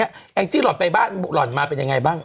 แองจี้หล่อนไปบ้านหล่อนมาเป็นยังไงบ้าง